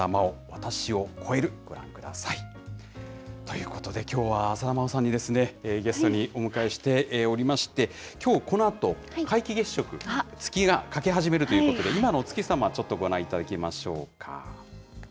私を超える、ご覧ください。ということで、きょうは浅田真央さんに、ゲストにお迎えして、おりまして、きょうこのあと皆既月食、月が欠け始めるということで、今のお月様、ちょっとご覧いただきましょうか。